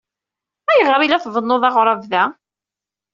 Ayɣer ay la tbennuḍ aɣrab da?